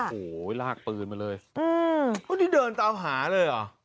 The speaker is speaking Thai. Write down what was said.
โหลากปืนมาเลยที่เดินตามหาเลยอ่ะ